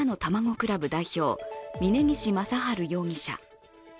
倶楽部代表、峯岸正治容疑者。